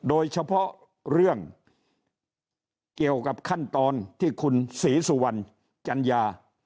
โดยเฉพาะเรื่องเกี่ยวกับขั้นตอนที่คุณศรีสุวรรณจัญญา